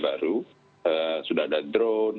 baru sudah ada drone